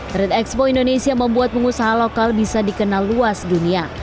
trade expo indonesia membuat pengusaha lokal bisa dikenal luas dunia